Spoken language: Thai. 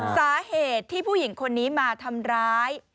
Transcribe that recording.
สาเหตุที่ผู้หญิงคนนี้มาทำร้าย